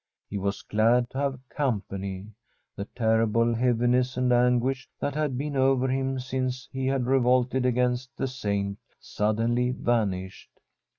He was glad to have company. The terrible heaviness and anguish that had been over him since he had revolted against the Saint sud denly vanished.